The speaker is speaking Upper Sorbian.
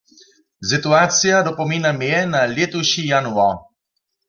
Situacija dopomina mje na lětuši januar.